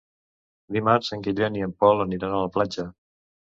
Dimarts en Guillem i en Pol aniran a la platja.